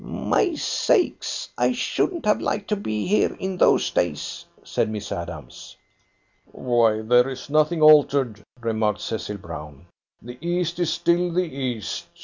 "My sakes, I shouldn't have liked to be here in those days," said Miss Adams. "Why, there's nothing altered," remarked Cecil Brown. "The East is still the East.